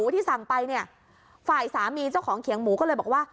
ที่สั่งไปเนี่ยฝ่ายสามีเจ้าของเขียงหมูก็เลยบอกว่า